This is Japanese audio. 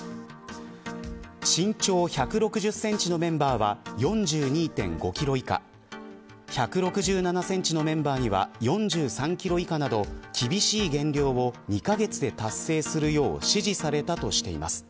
身長１６０センチのメンバーは４２．５キロ以下１６７センチのメンバーには４３キロ以下など厳しい減量を２カ月で達成するよう指示されたとしています。